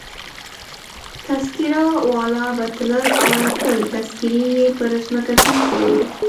تذکیره والا به تلل او راتلل، تذکیرې يې پر مځکه کښېښولې.